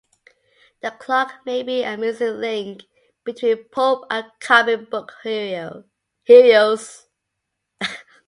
The Clock may be a "missing link" between pulp and comic-book heroes.